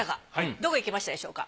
どこ行きましたでしょうか？